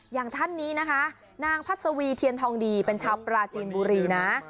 อย่างท่านนี้นะคะนางพัศวีเทียนทองดีเป็นชาวปราจีนบุรีนะ